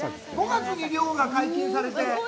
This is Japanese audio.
５月に漁が解禁されて。